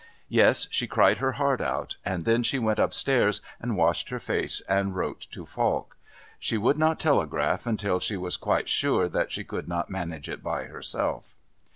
Yes, she cried her heart out, and then she went upstairs and washed her face and wrote to Falk. She would not telegraph until she was quite sure that she could not manage it by herself.